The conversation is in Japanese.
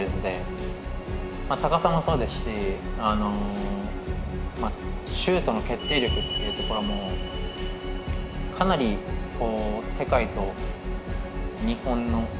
高さもそうですしシュートの決定力っていうところもかなり世界と日本の差は大きかったと思うんですよね。